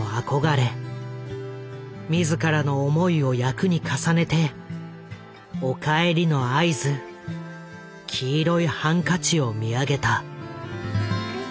自らの思いを役に重ねて「お帰り」の合図黄色いハンカチを見上げた。